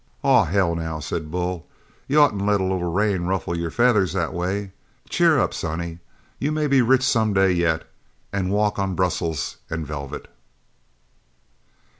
"Ah, hell, now," said Bull, "you oughtn't to let a little rain ruffle your feathers that way. Cheer up, sonny; you may be rich some day yet and walk on brussels and velvet."